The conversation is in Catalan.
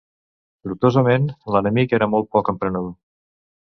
Sortosament, l'enemic era molt poc emprenedor.